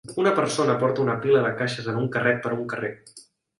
Una persona porta una pila de caixes en un carret per un carrer.